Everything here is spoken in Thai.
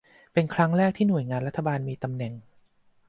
เป็นครั้งแรกที่หน่วยงานรัฐบาลมีตำแหน่ง